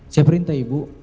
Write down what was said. saya perintah ibu